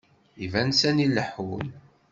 Iban sani leḥḥun.